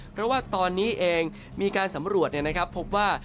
เพราะว่าตอนนี้เองมีการสำรวจเนี่ยนะครับพบว่า